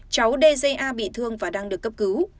cháu d j a bị thương và đang được cấp cứu